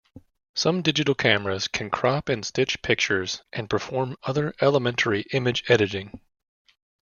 Some digital cameras can crop and stitch pictures and perform other elementary image editing.